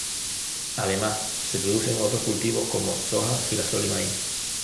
Además se producen otros cultivos como soja, girasol y maíz.